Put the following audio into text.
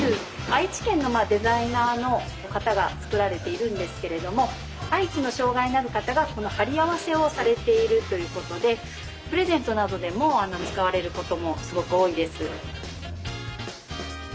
愛知県のデザイナーの方が作られているんですけれども愛知の障害のある方がこの張り合わせをされているということでプレゼントなどでも使われることもすごく多いです。